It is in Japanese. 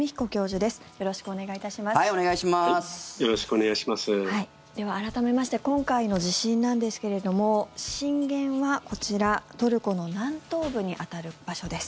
では改めまして今回の地震なんですけれども震源は、こちらトルコ南東部に当たる場所です。